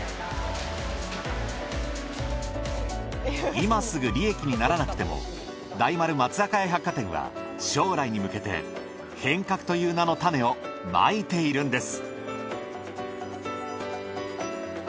今すぐ利益にならなくても大丸松坂屋百貨店は将来に向けて変革という名の種をまいているんです。